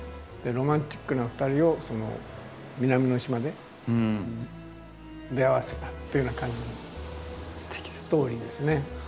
ロマンチックな２人を南の島で出会わせたっていうような感じのストーリーですね。